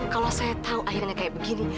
kalau saya tahu akhirnya kayak begini